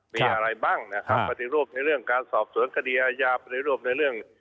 มีอะไรบ้างนะครับปฏิรูปในเรื่องการสอบสวนคดีอาญาปฏิรูปในเรื่อง